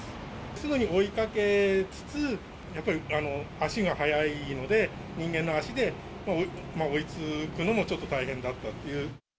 すぐに追いかけつつ、やっぱり足が速いので、人間の足で追いつくのもちょっと大変だったという。